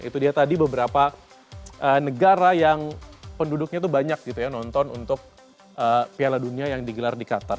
itu dia tadi beberapa negara yang penduduknya itu banyak gitu ya nonton untuk piala dunia yang digelar di qatar